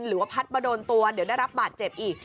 หรือว่าพัดมาโดนตัวเดี๋ยวได้รับบาดเจ็บอีก